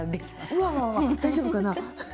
うわわわわ大丈夫かな。